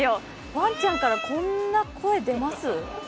ワンちゃんからこんな声出ます？